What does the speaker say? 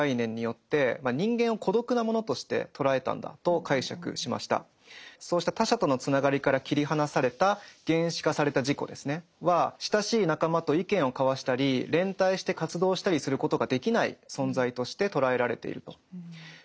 アーレントによるとですねハイデガーはそうした他者とのつながりから切り離された「原子化された自己」は親しい仲間と意見を交わしたり連帯して活動したりすることができない存在として捉えられていると。